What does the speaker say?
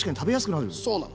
そうなの。